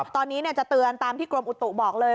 ตอนนี้จะเตือนตามที่กรมอุตุบอกเลย